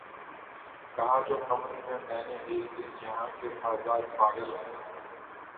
کہا جو قمری سے میں نے اک دن یہاں کے آزاد پاگل ہیں